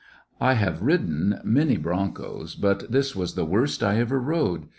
I have ridden many broncos, but this was the worst I ever rode.